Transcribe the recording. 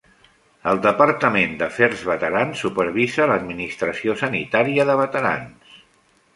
El Departament d'Afers Veterans supervisa l'administració sanitària de veterans.